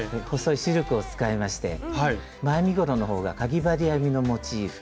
細いシルクを使いまして前身ごろの方がかぎ針編みのモチーフ。